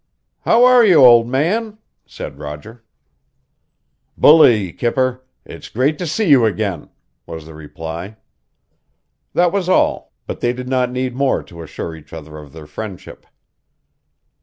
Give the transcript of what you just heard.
"How are you, old man?" said Roger. "Bully, kipper. It's great to see you again," was the reply. That was all, but they did not need more to assure each other of their friendship.